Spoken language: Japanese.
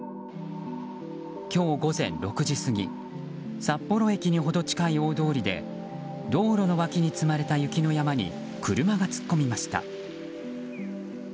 今日午前６時過ぎ札幌駅に程近い大通りで道路の脇に積まれた雪の山に車が突っ込みました。